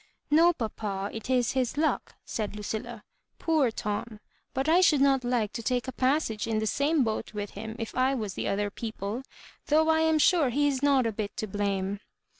" No papa, it is his luck," said Ludlla ; "poor Tom I — but I should not like to take a passage in the same boat with him if I was the other people. Though I am sure he is not a bit to blame."